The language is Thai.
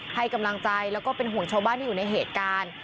ให้กำลังใจแล้วก็เป็นห่วงชาวบ้านที่อยู่ในเหตุการณ์